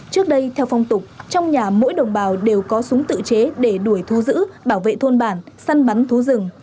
trước đây theo phong tục trong nhà mỗi đồng bào đều có súng tự chế để đuổi thu giữ bảo vệ thôn bản săn bắn thú rừng